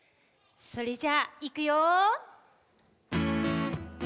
それじゃあいくよ！